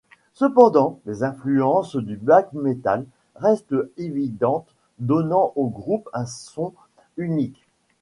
Cependant, les influences du black metal restent évidentes, donnant au groupe un son unique.